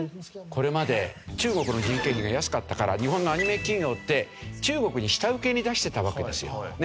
これまで中国の人件費が安かったから日本のアニメ企業って中国に下請けに出してたわけですよ。